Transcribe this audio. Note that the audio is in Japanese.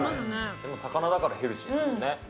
でも魚だからヘルシーですもんね。